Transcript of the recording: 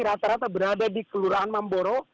rata rata berada di kelurahan mamboro